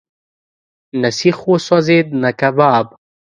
نه سیخ وسوځېد، نه کباب.